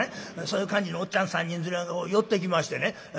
そういう感じのおっちゃん３人連れが寄ってきましてね